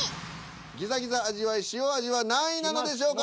ギザギザ味わいしお味は何位なのでしょうか？